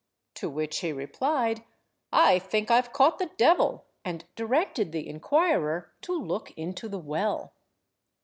To which he replied— "I think I've caught the devil;" and directed the inquirer to look into the well.